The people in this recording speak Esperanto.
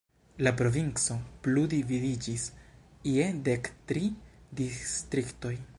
La provinco plu dividiĝis je dek tri distriktoj.